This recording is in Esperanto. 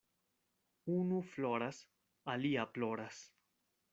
Unu floras, alia ploras.